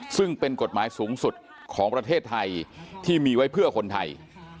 ซึ่งเป็นกฎหมายสูงสุดของประเทศไทยที่มีไว้เพื่อคนไทย